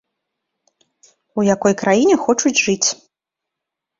У якой краіне хочуць жыць.